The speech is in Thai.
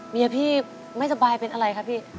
เมียพี่ไม่สบายเป็นอะไรคะพี่